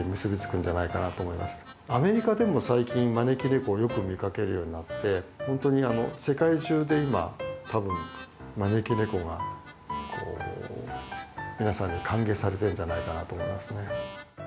アメリカでも最近招き猫をよく見かけるようになって本当にあの世界中で今多分招き猫が皆さんに歓迎されてるんじゃないかなと思いますね。